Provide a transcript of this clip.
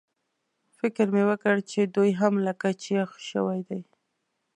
فکر مې وکړ چې دوی هم لکه چې یخ شوي دي.